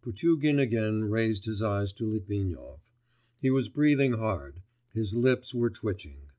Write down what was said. Potugin again raised his eyes to Litvinov. He was breathing hard, his lips were twitching.